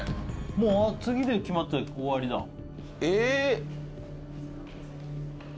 もう次で決まって終わりだえ